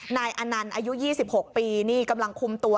นายอนันต์อายุ๒๖ปีนี่กำลังคุมตัว